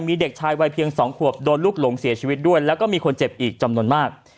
มีเด็กชายวัยเพียง๒ขวบโดนลูกหลงเสียชีวิตด้วยแล้วก็มีคนเจ็บอีกจำนวนมาก